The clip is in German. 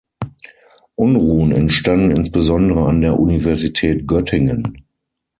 Unruhen entstanden insbesondere an der Universität Göttingen.